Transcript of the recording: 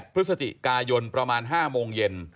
พฤศจิกายนประมาณ๕โมงเย็น